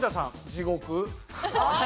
地獄。